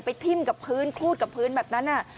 ทิ้มกับพื้นคลูดกับพื้นแบบนั้น